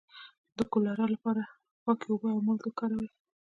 د کولرا لپاره پاکې اوبه او مالګه وکاروئ